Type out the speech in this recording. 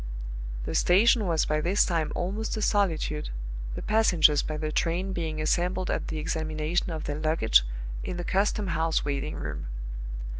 The station was by this time almost a solitude, the passengers by the train being assembled at the examination of their luggage in the custom house waiting room.